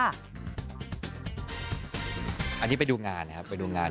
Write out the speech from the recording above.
อันนี้ไปดูงานนะครับไปดูงาน